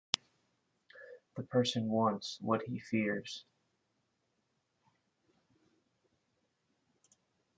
The person wants what he fears.